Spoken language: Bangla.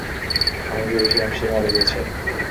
আমি ভেবেছিলাম সে মরে গেছে।